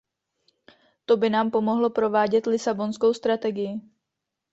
To by nám pomohlo provádět Lisabonskou strategii.